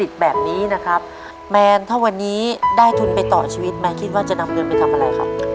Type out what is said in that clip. ได้ทุนไปต่อชีวิตไหมคิดว่าจะนำเงินไปทำอะไรครับ